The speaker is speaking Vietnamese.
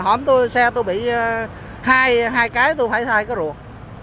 hôm xe tôi bị hai cái tôi phải thay cái rụt